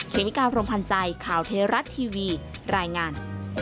เมกาพรมพันธ์ใจข่าวเทราะทีวีรายงาน